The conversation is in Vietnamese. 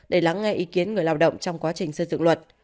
để lắng nghe ý kiến người lao động trong quá trình xây dựng luật